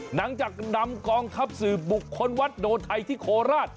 หลังจากนำกองทัพสืบบุคคลวัดโดไทยที่โคราช